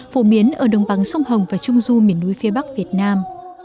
phổ biến ở đồng bằng sông hồng và trung du miền núi phía bắc việt nam